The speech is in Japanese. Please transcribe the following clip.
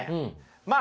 まあ